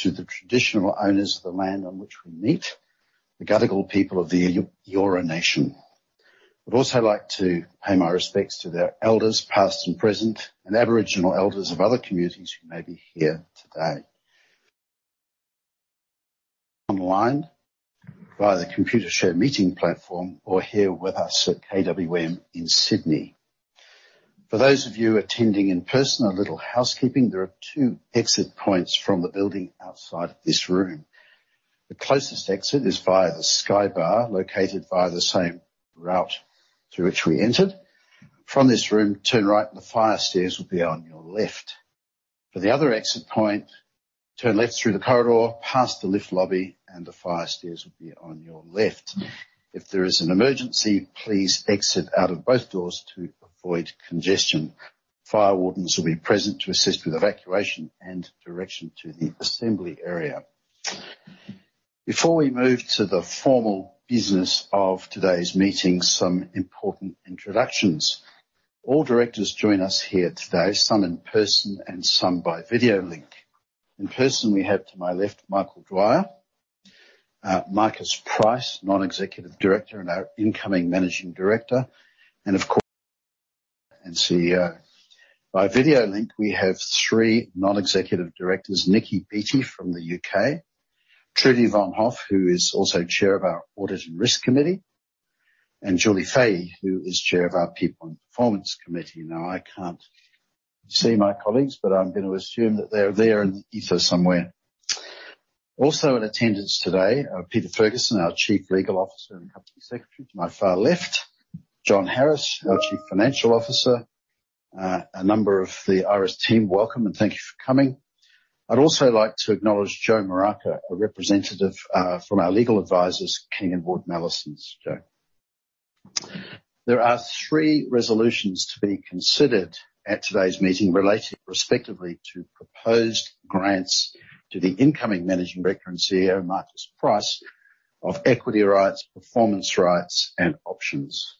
To the traditional owners of the land on which we meet, the Gadigal people of the Eora Nation. I'd also like to pay my respects to their elders, past and present, and Aboriginal elders of other communities who may be here today. Online via the Computershare meeting platform, or here with us at KWM in Sydney. For those of you attending in person, a little housekeeping. There are two exit points from the building outside this room. The closest exit is via the Sky Bar, located via the same route through which we entered. From this room, turn right and the fire stairs will be on your left. For the other exit point, turn left through the corridor, past the elevator lobby and the fire stairs will be on your left. If there is an emergency, please exit out of both doors to avoid congestion. Fire wardens will be present to assist with evacuation and direction to the assembly area. Before we move to the formal business of today's meeting, some important introductions. All directors join us here today, some in person and some by video link. In person, we have to my left Michael Dwyer, Marcus Price, non-executive director and our incoming managing director, and of course, and CEO. By video link, we have three non-executive directors, Niki Beattie from the U.K., Trudy Vonhoff, who is also Chair of our Audit and Risk Committee, and Julie Fahey, who is Chair of our People and Performance Committee. Now, I can't see my colleagues, but I'm going to assume that they're there in ether somewhere. Also in attendance today are Peter Ferguson, our Chief Legal Officer and Company Secretary to my far left, John Harris, our Chief Financial Officer, a number of the Iress team. Welcome and thank you for coming. I'd also like to acknowledge Joe Muraca, a representative from our legal advisors, King & Wood Mallesons. Joe. There are three resolutions to be considered at today's meeting, relating respectively to proposed grants to the incoming Managing Director and CEO, Marcus Price, of equity rights, performance rights and options.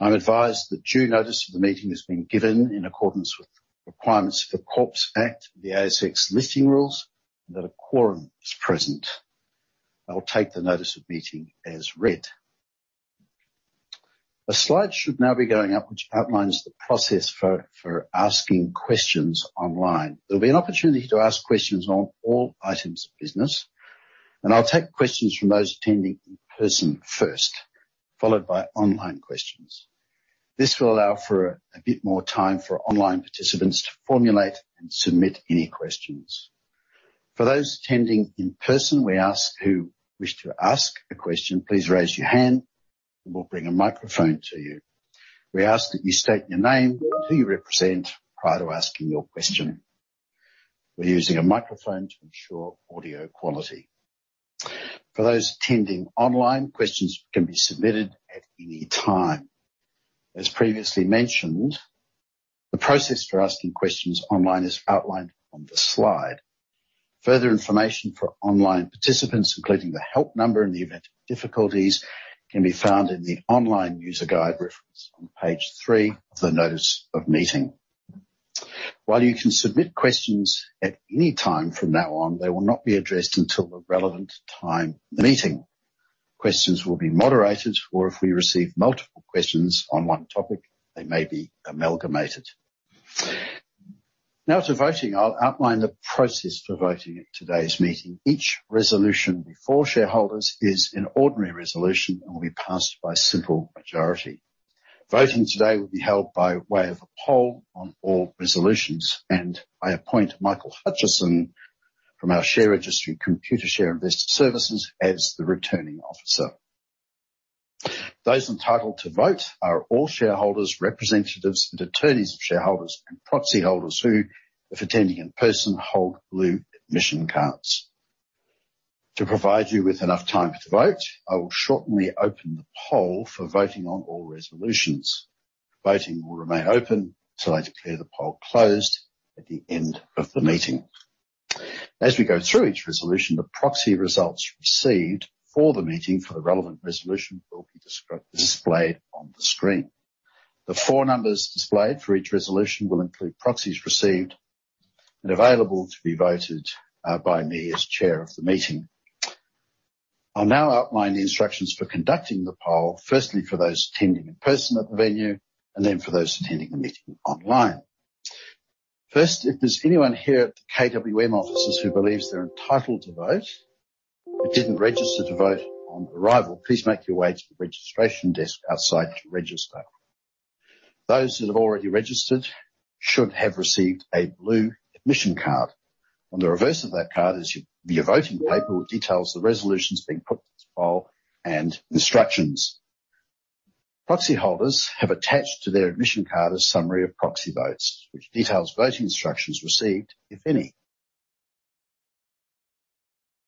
I'm advised that due notice of the meeting has been given in accordance with requirements of the Corporations Act, the ASX Listing Rules, and that a quorum is present. I'll take the notice of meeting as read. A slide should now be going up which outlines the process for asking questions online. There'll be an opportunity to ask questions on all items of business, and I'll take questions from those attending in person first, followed by online questions. This will allow for a bit more time for online participants to formulate and submit any questions. For those attending in person, we ask who wish to ask a question, please raise your hand and we'll bring a microphone to you. We ask that you state your name, who you represent, prior to asking your question. We're using a microphone to ensure audio quality. For those attending online, questions can be submitted at any time. As previously mentioned, the process for asking questions online is outlined on the slide. Further information for online participants, including the help number in the event of difficulties, can be found in the online user guide referenced on page three of the notice of meeting. While you can submit questions at any time from now on, they will not be addressed until the relevant time in the meeting. Questions will be moderated, or if we receive multiple questions on one topic, they may be amalgamated. Now to voting. I'll outline the process for voting at today's meeting. Each resolution before shareholders is an ordinary resolution and will be passed by simple majority. Voting today will be held by way of a poll on all resolutions, and I appoint Michael Hutchison from our share registry, Computershare Investor Services, as the returning officer. Those entitled to vote are all shareholders, representatives and attorneys of shareholders and proxy holders who, if attending in person, hold blue admission cards. To provide you with enough time to vote, I will shortly open the poll for voting on all resolutions. Voting will remain open until I declare the poll closed at the end of the meeting. As we go through each resolution, the proxy results received for the meeting for the relevant resolution will be displayed on the screen. The four numbers displayed for each resolution will include proxies received and available to be voted by me as chair of the meeting. I'll now outline the instructions for conducting the poll, firstly for those attending in person at the venue, and then for those attending the meeting online. First, if there's anyone here at the KWM offices who believes they're entitled to vote but didn't register to vote on arrival, please make your way to the registration desk outside to register. Those that have already registered should have received a blue admission card. On the reverse of that card is your voting paper, which details the resolutions being put to the poll and instructions. Proxy holders have attached to their admission card a summary of proxy votes, which details voting instructions received, if any.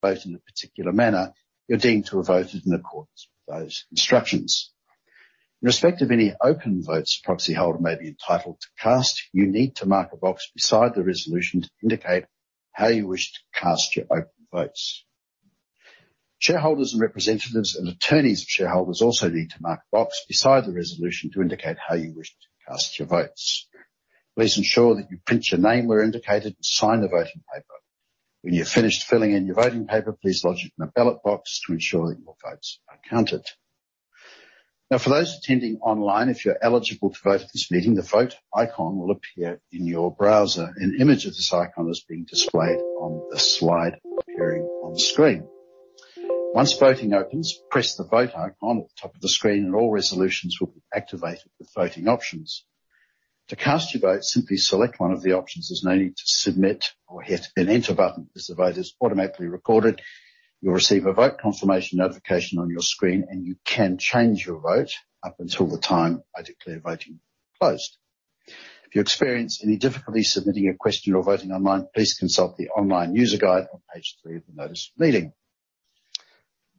Vote in a particular manner, you're deemed to have voted in accordance with those instructions. In respect of any open votes a proxy holder may be entitled to cast, you need to mark a box beside the resolution to indicate how you wish to cast your open votes. Shareholders and representatives and attorneys of shareholders also need to mark a box beside the resolution to indicate how you wish to cast your votes. Please ensure that you print your name where indicated and sign the voting paper. When you're finished filling in your voting paper, please lodge it in the ballot box to ensure that your votes are counted. Now, for those attending online, if you're eligible to vote at this meeting, the Vote icon will appear in your browser. An image of this icon is being displayed on the slide appearing on the screen. Once voting opens, press the Vote icon at the top of the screen, and all resolutions will be activated with voting options. To cast your vote, simply select one of the options. There's no need to submit or hit an Enter button as the vote is automatically recorded. You'll receive a vote confirmation notification on your screen, and you can change your vote up until the time I declare voting closed. If you experience any difficulty submitting a question or voting online, please consult the online user guide on page three of the notice of the meeting.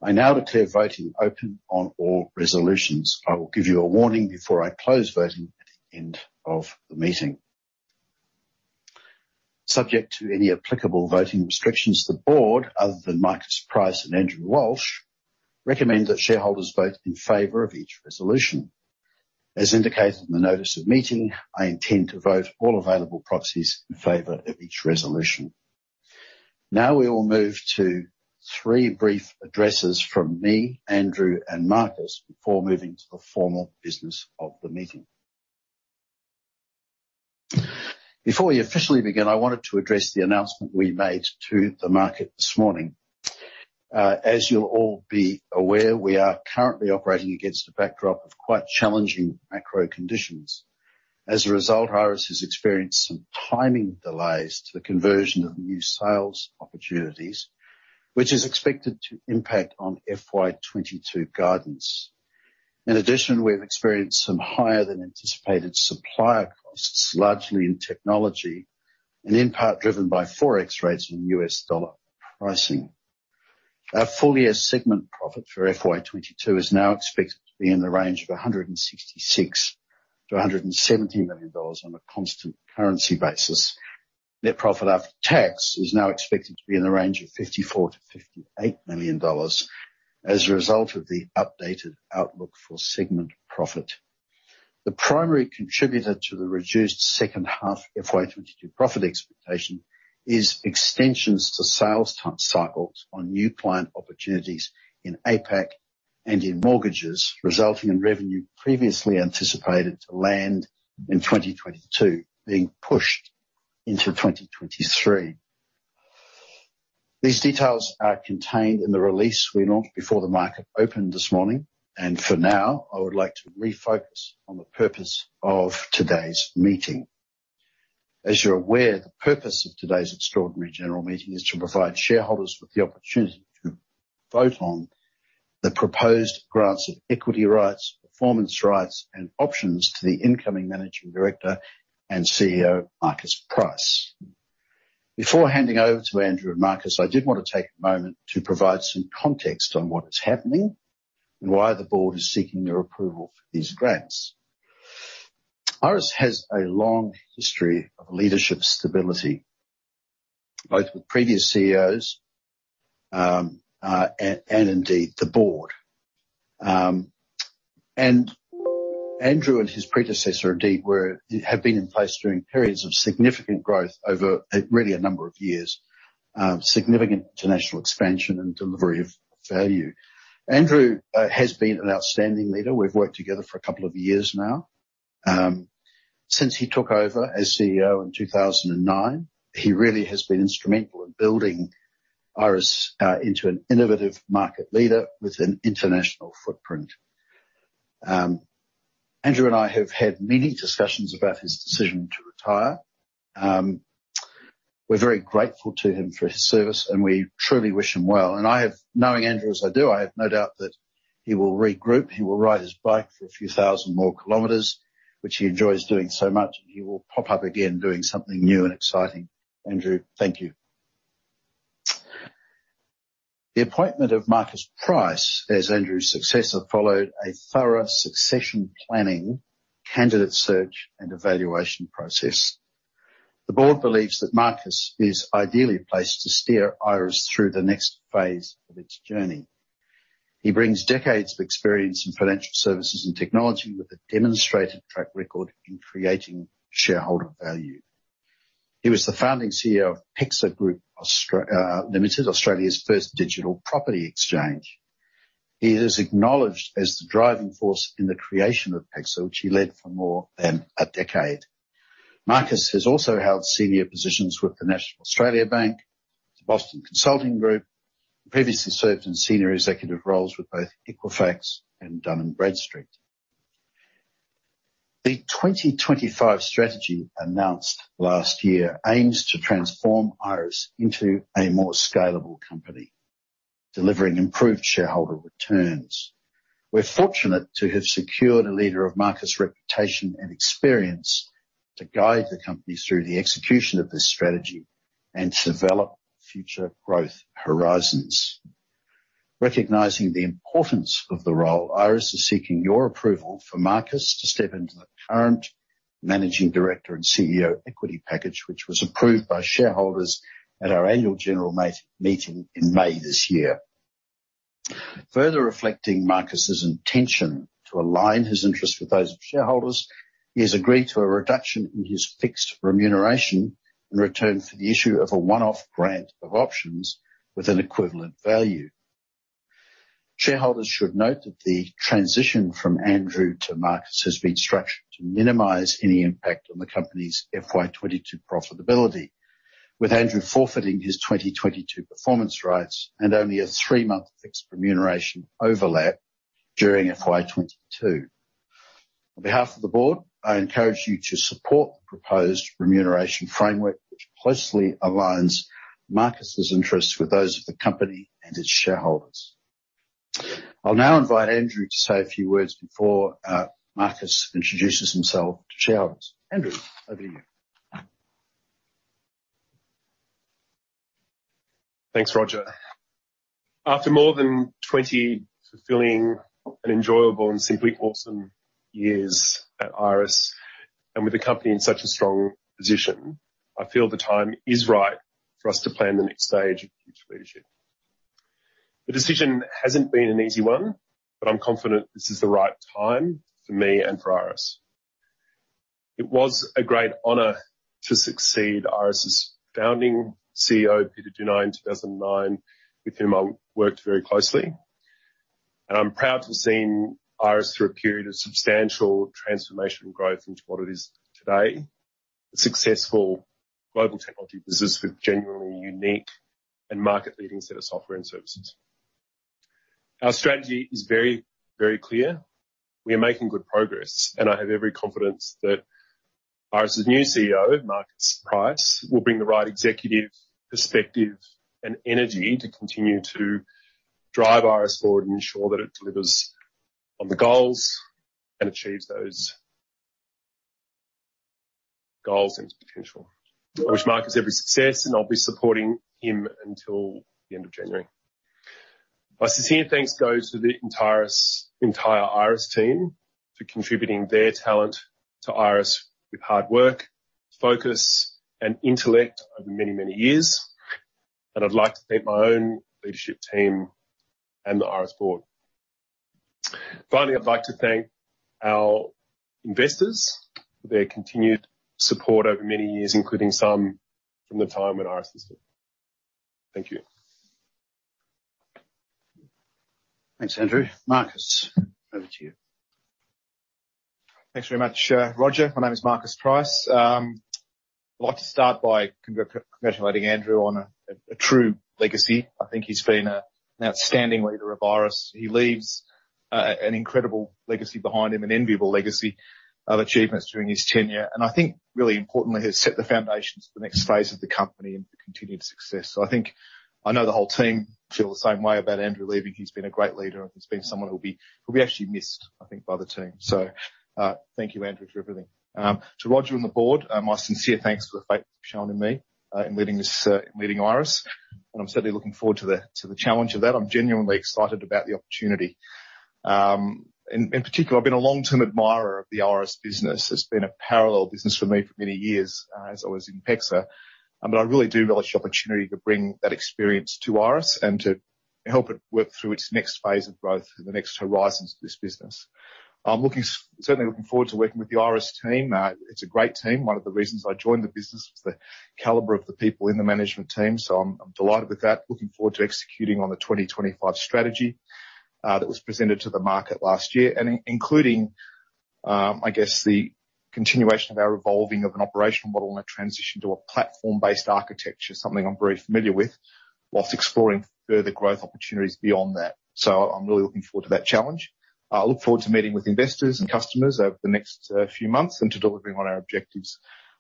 I now declare voting open on all resolutions. I will give you a warning before I close voting at the end of the meeting. Subject to any applicable voting restrictions, the board, other than Marcus Price and Andrew Walsh, recommend that shareholders vote in favor of each resolution. As indicated in the notice of meeting, I intend to vote all available proxies in favor of each resolution. Now, we will move to three brief addresses from me, Andrew, and Marcus before moving to the formal business of the meeting. Before we officially begin, I wanted to address the announcement we made to the market this morning. As you'll all be aware, we are currently operating against a backdrop of quite challenging macro conditions. As a result, Iress has experienced some timing delays to the conversion of new sales opportunities, which is expected to impact on FY22 guidance. In addition, we have experienced some higher than anticipated supplier costs, largely in technology and in part driven by Forex rates and US dollar pricing. Our full-year segment profit for FY22 is now expected to be in the range of 166 million-170 million dollars on a constant currency basis. Net profit after tax is now expected to be in the range of 54 million-58 million dollars as a result of the updated outlook for segment profit. The primary contributor to the reduced second half FY22 profit expectation is extensions to sales cycles on new client opportunities in APAC and in mortgages, resulting in revenue previously anticipated to land in 2022 being pushed into 2023. These details are contained in the release we launched before the market opened this morning. For now, I would like to refocus on the purpose of today's meeting. As you're aware, the purpose of today's extraordinary general meeting is to provide shareholders with the opportunity to vote on the proposed grants of Equity Rights, Performance Rights, and options to the incoming Managing Director and CEO, Marcus Price. Before handing over to Andrew and Marcus, I did want to take a moment to provide some context on what is happening and why the board is seeking your approval for these grants. Iress has a long history of leadership stability, both with previous CEOs and indeed the board. Andrew and his predecessor indeed have been in place during periods of significant growth over really a number of years, significant international expansion and delivery of value. Andrew has been an outstanding leader. We've worked together for a couple of years now. Since he took over as CEO in 2009, he really has been instrumental in building Iress into an innovative market leader with an international footprint. Andrew and I have had many discussions about his decision to retire. We're very grateful to him for his service, and we truly wish him well. I have, knowing Andrew as I do, I have no doubt that he will regroup. He will ride his bike for a few thousand more kilometers, which he enjoys doing so much. He will pop up again doing something new and exciting. Andrew, thank you. The appointment of Marcus Price as Andrew's successor followed a thorough succession planning, candidate search, and evaluation process. The board believes that Marcus is ideally placed to steer Iress through the next phase of its journey. He brings decades of experience in financial services and technology with a demonstrated track record in creating shareholder value. He was the founding CEO of PEXA Group Limited, Australia's first digital property exchange. He is acknowledged as the driving force in the creation of PEXA, which he led for more than a decade. Marcus has also held senior positions with the National Australia Bank, the Boston Consulting Group, and previously served in senior executive roles with both Equifax and Dun & Bradstreet. The 2025 strategy announced last-year aims to transform Iress into a more scalable company, delivering improved shareholder returns. We're fortunate to have secured a leader of Marcus' reputation and experience to guide the company through the execution of this strategy and to develop future growth horizons. Recognizing the importance of the role, Iress is seeking your approval for Marcus to step into the current Managing Director and CEO equity package, which was approved by shareholders at our annual general meeting in May this year. Further reflecting Marcus's intention to align his interests with those of shareholders, he has agreed to a reduction in his fixed remuneration in return for the issue of a one-off grant of options with an equivalent value. Shareholders should note that the transition from Andrew to Marcus has been structured to minimize any impact on the company's FY22 profitability, with Andrew forfeiting his 2022 Performance Rights and only a three-month fixed remuneration overlap during FY22. On behalf of the board, I encourage you to support the proposed remuneration framework, which closely aligns Marcus's interests with those of the company and its shareholders. I'll now invite Andrew to say a few words before Marcus introduces himself to shareholders. Andrew, over to you. Thanks, Roger. After more than 20 fulfilling and enjoyable and simply awesome years at Iress, and with the company in such a strong position, I feel the time is right for us to plan the next stage of future leadership. The decision hasn't been an easy one, but I'm confident this is the right time for me and for Iress. It was a great honor to succeed Iress's founding CEO, Peter Dunai, in 2009, with whom I worked very closely. I'm proud to have seen Iress through a period of substantial transformation and growth into what it is today, a successful global technology business with genuinely unique and market-leading set of software and services. Our strategy is very, very clear. We are making good progress, and I have every confidence that Iress's new CEO, Marcus Price, will bring the right executive perspective and energy to continue to drive Iress forward and ensure that it delivers on the goals and achieves those goals and potential. I wish Marcus every success, and I'll be supporting him until the end of January. My sincere thanks goes to the entire Iress team for contributing their talent to Iress with hard work, focus, and intellect over many, many years. I'd like to thank my own leadership team and the Iress board. Finally, I'd like to thank our investors for their continued support over many years, including some from the time when Iress was born. Thank you. Thanks, Andrew. Marcus, over to you. Thanks very much, Roger. My name is Marcus Price. I'd like to start by congratulating Andrew on a true legacy. I think he's been an outstanding leader of Iress. He leaves an incredible legacy behind him, an enviable legacy of achievements during his tenure. I think really importantly, has set the foundations for the next phase of the company and for continued success. I think I know the whole team feel the same way about Andrew leaving. He's been a great leader, and he's been someone who'll be actually missed, I think, by the team. Thank you, Andrew, for everything. To Roger and the board, my sincere thanks for the faith you've shown in me, in leading Iress. I'm certainly looking forward to the challenge of that. I'm genuinely excited about the opportunity. In particular, I've been a long-term admirer of the Iress business. It's been a parallel business for me for many years, as I was in PEXA. I really do relish the opportunity to bring that experience to Iress and to help it work through its next phase of growth and the next horizons of this business. I'm certainly looking forward to working with the Iress team. It's a great team. One of the reasons I joined the business was the caliber of the people in the management team, so I'm delighted with that. Looking forward to executing on the 2025 strategy that was presented to the market last-year. Including, I guess, the continuation of our evolving of an operational model and a transition to a platform-based architecture, something I'm very familiar with, while exploring further growth opportunities beyond that. I'm really looking forward to that challenge. I look forward to meeting with investors and customers over the next few months and to delivering on our objectives.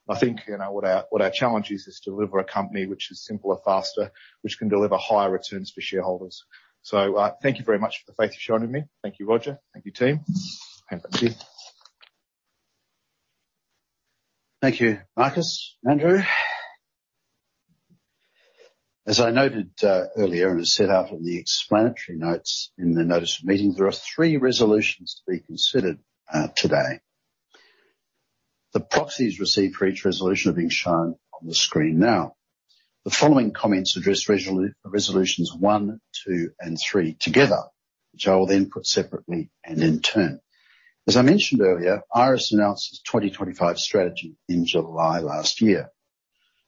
I think, you know, what our challenge is to deliver a company which is simpler, faster, which can deliver higher returns for shareholders. Thank you very much for the faith you've shown in me. Thank you, Roger. Thank you, team. Back to you. Thank you, Marcus, Andrew. As I noted earlier, and as set out in the explanatory notes in the notice of meeting, there are three resolutions to be considered today. The proxies received for each resolution are being shown on the screen now. The following comments address resolutions one, two, and three together, which I will then put separately and in turn. As I mentioned earlier, Iress announced its 2025 strategy in July last-year.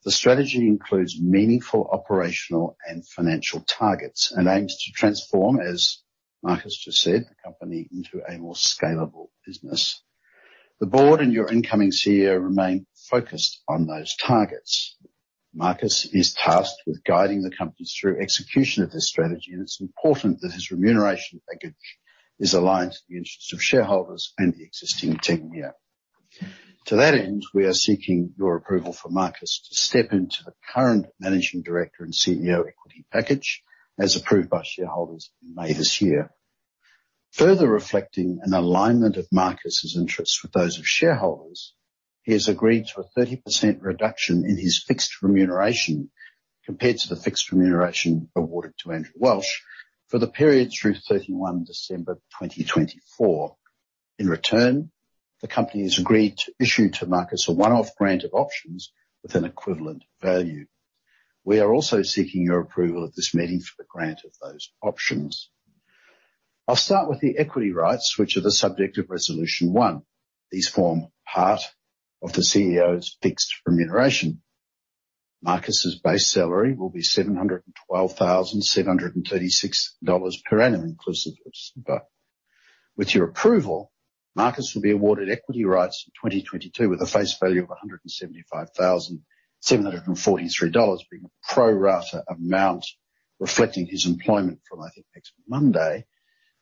The strategy includes meaningful operational and financial targets and aims to transform, as Marcus just said, the company into a more scalable business. The board and your incoming CEO remain focused on those targets. Marcus is tasked with guiding the company through execution of this strategy, and it's important that his remuneration package is aligned to the interests of shareholders and the existing team here. To that end, we are seeking your approval for Marcus to step into the current managing director and CEO equity package, as approved by shareholders in May this year. Further reflecting an alignment of Marcus' interests with those of shareholders, he has agreed to a 30% reduction in his fixed remuneration compared to the fixed remuneration awarded to Andrew Walsh for the period through 31 December 2024. In return, the company has agreed to issue to Marcus a one-off grant of options with an equivalent value. We are also seeking your approval at this meeting for the grant of those options. I'll start with the equity rights, which are the subject of resolution one. These form part of the CEO's fixed remuneration. Marcus's base salary will be 712,736 dollars per annum inclusive of super. With your approval, Marcus will be awarded equity rights in 2022 with a face value of 175,743 dollars, being a pro-rata amount reflecting his employment from, I think, next Monday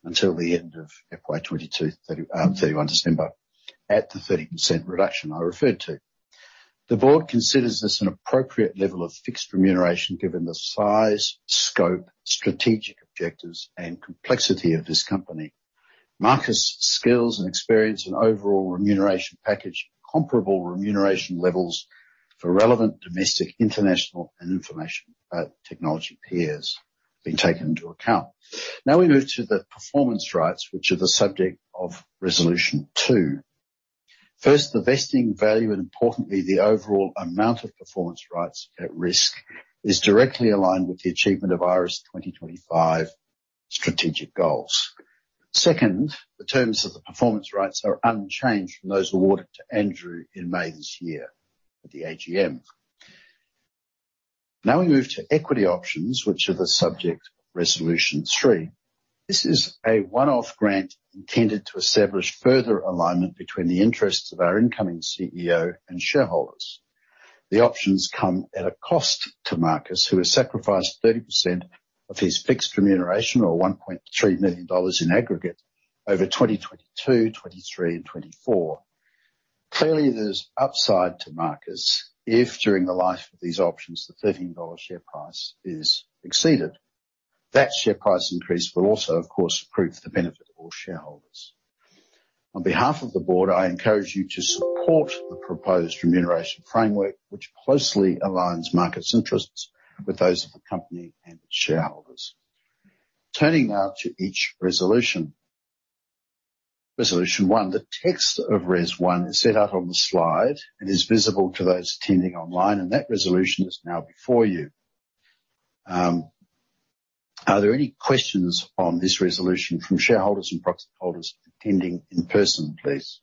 until the end of FY 2022, 31 December, at the 30% reduction I referred to. The board considers this an appropriate level of fixed remuneration given the size, scope, strategic objectives, and complexity of this company. Marcus' skills and experience and overall remuneration package comparable remuneration levels for relevant domestic, international and information technology peers being taken into account. Now we move to the performance rights, which are the subject of resolution 2. First, the vesting value, and importantly, the overall amount of performance rights at risk, is directly aligned with the achievement of Iress 2025 strategic goals. Second, the terms of the performance rights are unchanged from those awarded to Andrew in May this year at the AGM. Now we move to equity options, which are the subject of resolution 3. This is a one-off grant intended to establish further alignment between the interests of our incoming CEO and shareholders. The options come at a cost to Marcus, who has sacrificed 30% of his fixed remuneration or 1.3 million dollars in aggregate over 2022, 2023 and 2024. Clearly, there's upside to Marcus if, during the life of these options, the 13 dollar share price is exceeded. That share price increase will also, of course, accrue to the benefit of all shareholders. On behalf of the board, I encourage you to support the proposed remuneration framework which closely aligns Marcus' interests with those of the company and its shareholders. Turning now to each resolution. Resolution one. The text of res one is set out on the slide and is visible to those attending online, and that resolution is now before you. Are there any questions on this resolution from shareholders and proxy holders attending in person, please?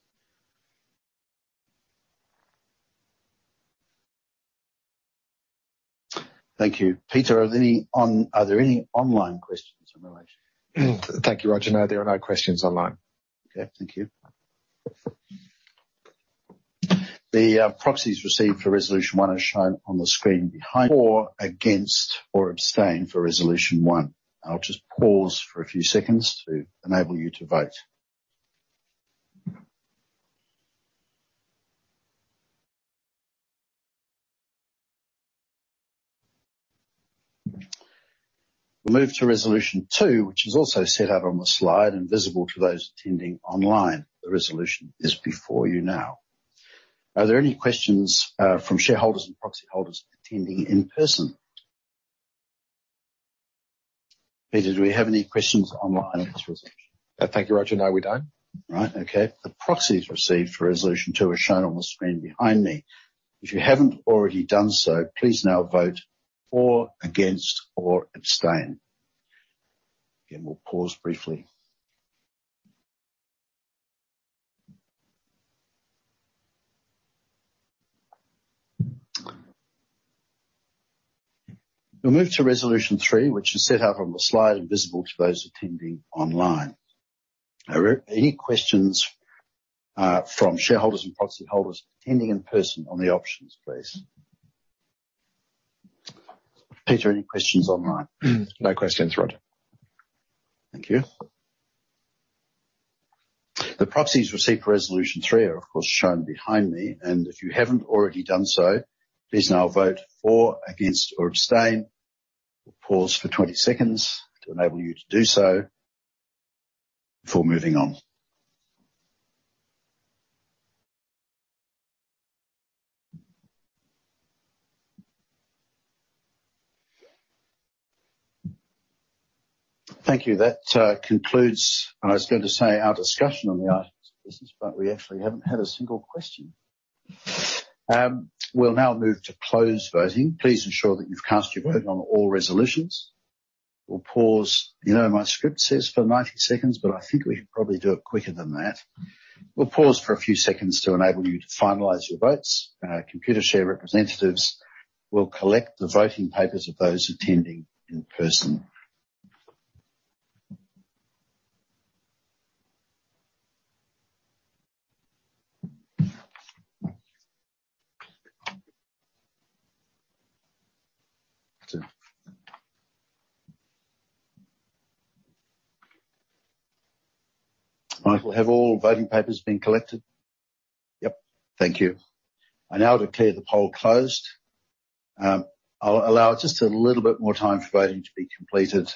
Thank you. Peter, are there any online questions in relation? Thank you, Roger. No, there are no questions online. Okay. Thank you. The proxies received for resolution one are shown on the screen behind, for, against, or abstain for resolution one. I'll just pause for a few seconds to enable you to vote. We'll move to resolution two, which is also set out on the slide and visible to those attending online. The resolution is before you now. Are there any questions from shareholders and proxy holders attending in person? Peter, do we have any questions online at this resolution? Thank you, Roger. No, we don't. All right. Okay. The proxies received for resolution two are shown on the screen behind me. If you haven't already done so, please now vote for, against or abstain. Again, we'll pause briefly. We'll move to resolution three, which is set out on the slide and visible to those attending online. Are there any questions, from shareholders and proxy holders attending in person on the options, please? Peter, any questions online? No questions, Roger. Thank you. The proxies received for resolution 3 are, of course, shown behind me. If you haven't already done so, please now vote for, against or abstain. We'll pause for 20 seconds to enable you to do so before moving on. Thank you. That concludes, I was going to say, our discussion on the items of business, but we actually haven't had a single question. We'll now move to closed voting. Please ensure that you've cast your vote on all resolutions. We'll pause, you know, my script says for 90 seconds, but I think we can probably do it quicker than that. We'll pause for a few seconds to enable you to finalize your votes. Our Computershare representatives will collect the voting papers of those attending in person. Michael, have all voting papers been collected? Yep. Thank you. I now declare the poll closed. I'll allow just a little bit more time for voting to be completed.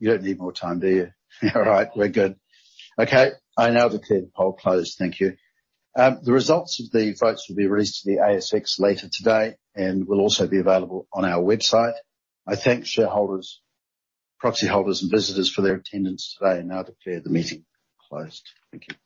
You don't need more time, do you? All right, we're good. Okay, I now declare the poll closed. Thank you. The results of the votes will be released to the ASX later today and will also be available on our website. I thank shareholders, proxy holders and visitors for their attendance today, and now declare the meeting closed. Thank you.